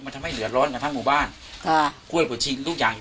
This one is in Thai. ทำให้เหลือร้อนกับทั้งหมู่บ้านค่ะกล้วยหัวชีดทุกอย่างยังต้อง